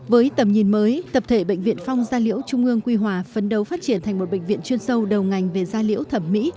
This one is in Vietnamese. với tầm nhìn mới tập thể bệnh viện phong gia liễu trung ương quy hòa phấn đấu phát triển thành một bệnh viện chuyên sâu đầu ngành về gia liễu thẩm mỹ